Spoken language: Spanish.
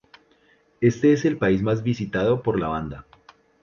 Este es el país más visitado por la banda.